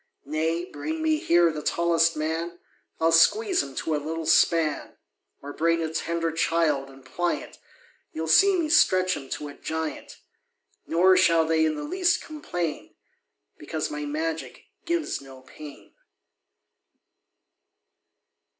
Nay, bring me here the tallest man, I'll squeeze him to a little span; Or bring a tender child, and pliant, You'll see me stretch him to a giant: Nor shall they in the least complain, Because my magic gives no pain.